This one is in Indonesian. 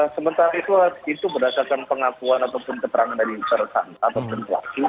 sementara itu berdasarkan pengakuan ataupun keterangan dari ataupun pelaku